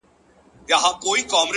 صبر د وخت له فشار سره ملګری دی